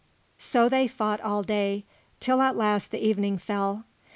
So they fought all day, till at last the evening fell.